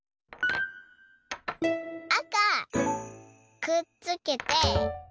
あかくっつけて。